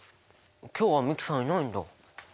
今日は美樹さんいないんだ。